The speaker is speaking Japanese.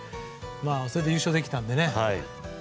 それで優勝できたのでね。